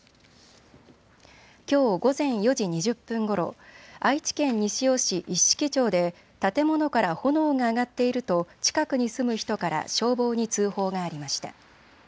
きょう午前４時２０分ごろ、愛知県西尾市一色町で建物から炎が上がっていると近くに住む人から消防に通報がありました。